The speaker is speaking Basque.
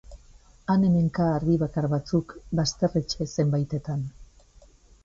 Han-hemenka argi bakar batzuk bazterretxe zenbaitetan.